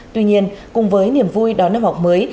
tuy nhiên cùng với niềm vui đón năm học mới